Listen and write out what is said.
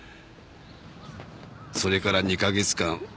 それから２カ月間